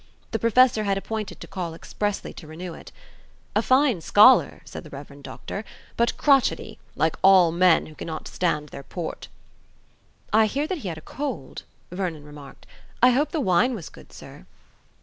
The Professor had appointed to call expressly to renew it. "A fine scholar," said the Rev. Doctor, "but crotchety, like all men who cannot stand their Port." "I hear that he had a cold," Vernon remarked. "I hope the wine was good, sir."